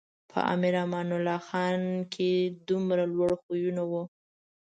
په امیر امان الله خان کې دومره لوړ خویونه و.